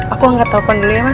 aku nggak telepon dulu ya mas